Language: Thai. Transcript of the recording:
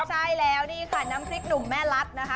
ใช่แล้วนี่ค่ะน้ำพริกหนุ่มแม่รัฐนะคะ